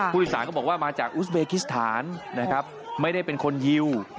ผู้โดยสารก็บอกว่ามาจากอุสเบกิสถานนะครับไม่ได้เป็นคนยิว